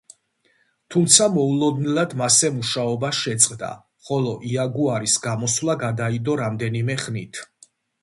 თუმცა მოულოდნელად მასზე მუშაობა შეწყდა, ხოლო „იაგუარის“ გამოსვლა გადაიდო რამდენიმე ხნით.